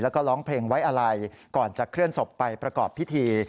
แล้วก็ร้องเพลงไว้อะไรก่อนจะเคลื่อนศพไปประกอบพิธี